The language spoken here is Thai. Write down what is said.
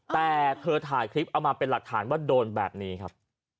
แต่เธอถ่ายคลิปเอามาเป็นหลักฐานว่าโดนแบบนี้ครับ